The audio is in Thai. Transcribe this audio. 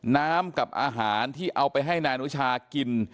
น้ำกับอาหารที่เอาไปให้นายอนุชากิน